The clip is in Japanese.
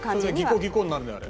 ギコギコになるんだよあれ。